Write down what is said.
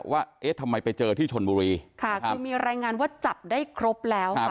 เอ๊ะทำไมไปเจอที่ชนบุรีค่ะคือมีรายงานว่าจับได้ครบแล้วค่ะ